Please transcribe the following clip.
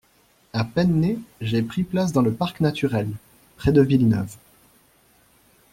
À peine né, j’ai pris place dans le Parc Naturel, près de Villeneuve.